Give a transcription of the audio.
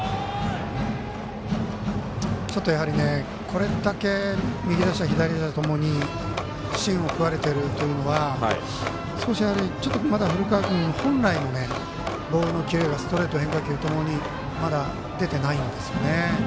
これだけ右打者、左打者ともに芯を食われてるというのは少しまだ古川君本来のボールのキレがストレート、変化球ともにまだ出てないんですよね。